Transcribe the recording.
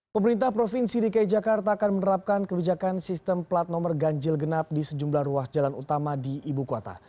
pemerintah provinsi dki jakarta akan menerapkan kebijakan sistem plat nomor ganjil genap di sejumlah ruas jalan utama di ibu kota